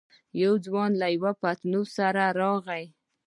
يو ځوان له يوه پتنوس سره راغی.